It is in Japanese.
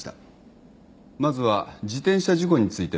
まずは自転車事故について。